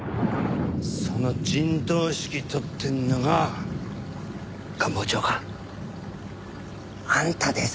その陣頭指揮執ってんのが官房長官あんたでさ。